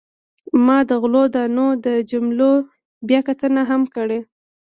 ما د غلو دانو د جملو بیاکتنه هم کړې.